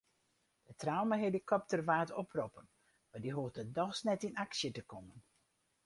De traumahelikopter waard oproppen mar dy hoegde dochs net yn aksje te kommen.